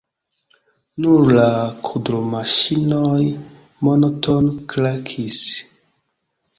Nur la kudromaŝinoj monotone krakis.